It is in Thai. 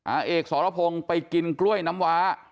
อาเอกสรพงศ์ไปกินกล้วยน้ำว้า